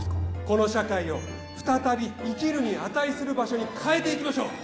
この社会を再び生きるに値する場所に変えていきましょう！